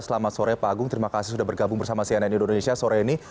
selamat sore pak agung terima kasih sudah bergabung bersama cnn indonesia sore ini